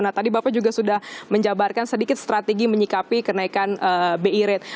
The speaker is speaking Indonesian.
nah tadi bapak juga sudah menjabarkan sedikit strategi menyikapi kenaikan bi rate